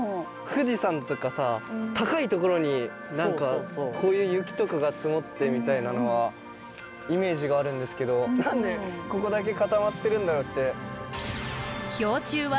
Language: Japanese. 富士山とかさ高いところにこういう雪とかが積もってみたいなのはイメージがあるんですけど何でここだけ固まってるんだろうって。